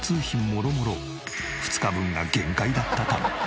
もろもろ２日分が限界だったため。